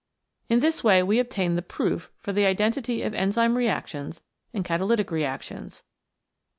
In this way we obtain the proof for the identity of enzyme re actions and catalytic reactions.